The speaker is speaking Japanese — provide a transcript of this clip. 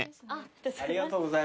ありがとうございます。